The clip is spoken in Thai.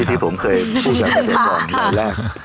ที่ผมเคยพูดแบบนี้ก่อนในแรก